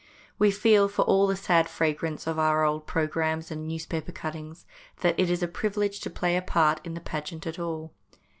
We feel, for all the sad fragrance of our old programmes and newspaper cuttings, that it is a privilege to play a part in the pageant at all.